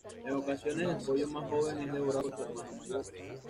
En ocasiones el pollo más joven es devorado por su hermano mayor.